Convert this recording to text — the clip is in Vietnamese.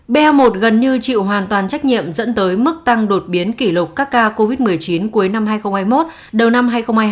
ba một gần như chịu hoàn toàn trách nhiệm dẫn tới mức tăng đột biến kỷ lục các ca covid một mươi chín cuối năm hai nghìn hai mươi một đầu năm hai nghìn hai mươi